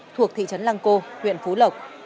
thuộc thị trấn lăng cô huyện phú lộc